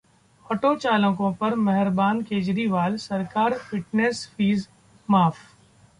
auto चालकों पर मेहरबान केजरीवाल सरकार, फिटनेस फीस माफ